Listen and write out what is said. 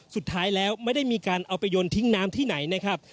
สุดท้ายแล้วไม่ได้มีการเอาไปโยนทิ้งน้ำที่ไหนนะครับ